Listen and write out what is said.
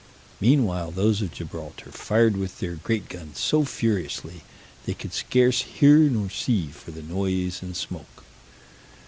Meanwhile, those of Gibraltar fired with their great guns so furiously, they could scarce hear nor see for the noise and smoke.